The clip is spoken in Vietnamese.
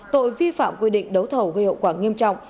tội vi phạm quy định đấu thầu gây hậu quả nghiêm trọng